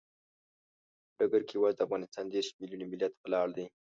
په ډګر کې یوازې د افغانستان دیرش ملیوني ملت ولاړ دی.